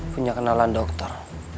punya kenalan dokter